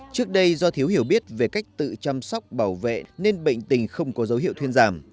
trước đây do thiếu hiểu biết về cách tự chăm sóc bảo vệ nên bệnh tình không có dấu hiệu thuyên giảm